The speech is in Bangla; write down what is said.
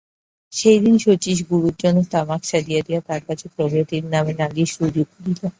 সেইদিন শচীশ গুরুর জন্য তামাক সাজিয়া দিয়া তাঁর কাছে প্রকৃতির নামে নালিশ রুজু করিল।